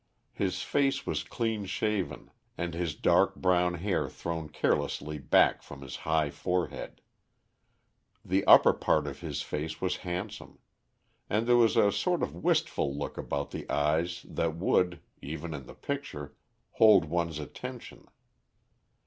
His face was clean shaven, and his dark brown hair thrown carelessly back from his high forehead. The upper part of his face was handsome; and there was a sort of wistful look about the eyes that would, even in the picture, hold one's attention.